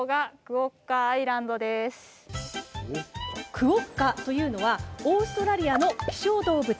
クオッカというのはオーストラリアの希少動物。